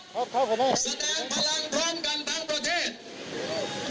ก็คิดว่าวันนี้เราจะทำภารกิจขับไล่ไปยุทธ์